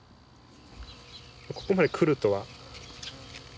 ここまでくるとは。